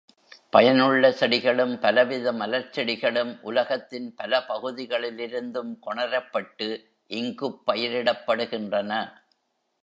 பயனுள்ள செடிகளும், பலவித மலர்ச் செடிகளும் உலகத்தின் பல பகுதிகளிலிருந்தும் கொணரப்பட்டு இங்குப் பயிரிடப்படுகின்றன.